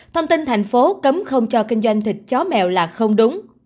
thông tin thành phố cấm không cho kinh doanh thịt chó mèo là không đúng